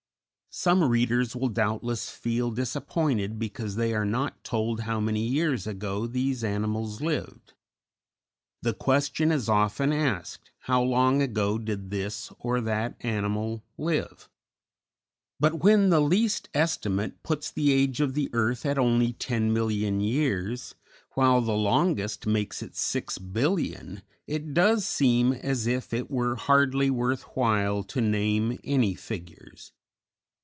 _ _Some readers will doubtless feel disappointed because they are not told how many years ago these animals lived. The question is often asked How long ago did this or that animal live? But when the least estimate puts the age of the earth at only 10,000,000 years, while the longest makes it 6,000,000,000, it does seem as if it were hardly worth while to name any figures.